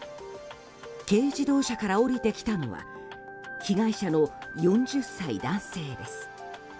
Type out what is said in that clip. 軽自動車から降りてきたのは被害者の４０歳男性です。